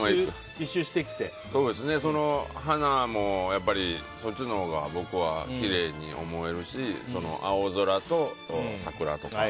花もそっちのほうが僕はきれいに思えるし青空と桜とか。